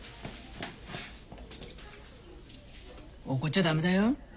怒っちゃ駄目だよ。